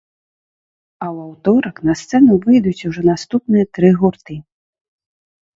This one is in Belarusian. А ў аўторак на сцэну выйдуць ужо наступныя тры гурты.